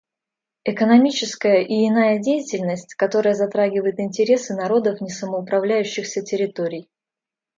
Экономическая и иная деятельность, которая затрагивает интересы народов несамоуправляющихся территорий.